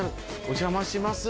お邪魔します